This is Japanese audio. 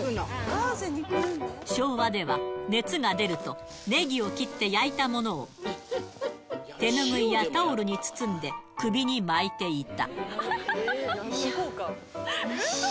昭和では、熱が出ると、ねぎを切って焼いたものを、手拭いやタオルに包んで首に巻いていた。